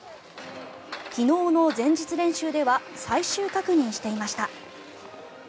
昨日の前日練習では最終確認していました。